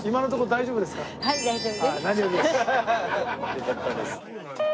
よかったです。